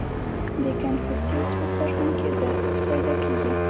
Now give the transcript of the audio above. • د کنفوسیوس په فرهنګ کې داسې څه پیدا کېږي.